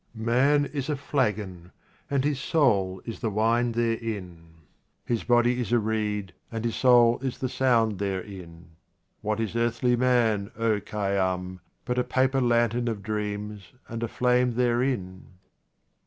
Man is a flagon and his soul is the wine there in. His body is a reed, and his soul is the sound therein. What is earthly man, O Khay yam, but a paper lantern of dreams and a flame therein